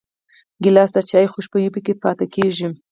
ګیلاس د چايو خوشبويي پکې پاتې کېږي.